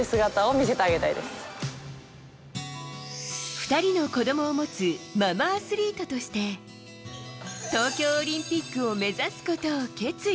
２人の子供を持つママアスリートとして東京オリンピックを目指すことを決意。